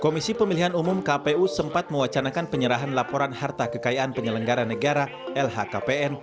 komisi pemilihan umum kpu sempat mewacanakan penyerahan laporan harta kekayaan penyelenggara negara lhkpn